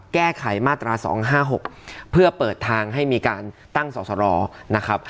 แก้ไขมาตรา๒๕๖เพื่อเปิดทางให้มีการตั้งสอสรนะครับ